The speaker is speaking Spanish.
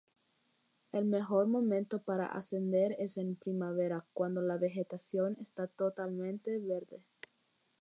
El mejor momento para ascender es en primavera cuando la vegetación está totalmente verde.